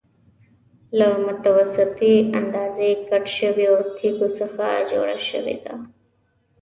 له متوسطې اندازې کټ شویو تېږو څخه جوړه شوې ده.